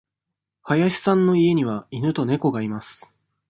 林さんの家には犬と猫がいます。